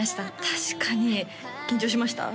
確かに緊張しました？